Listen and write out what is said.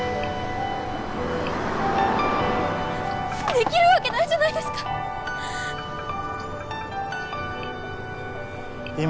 できるわけないじゃないですかううっ。